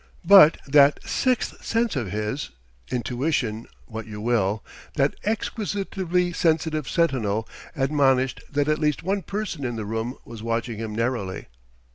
But that sixth sense of his intuition, what you will that exquisitively sensitive sentinel admonished that at least one person in the room was watching him narrowly.